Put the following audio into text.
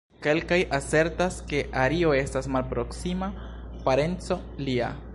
Kelkaj asertas, ke Ario estas malproksima parenco lia.